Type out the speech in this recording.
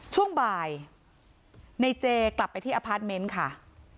ช่วงบ่ายนายเจกลับไปที่อาพาร์ทเม้นท์ก่อน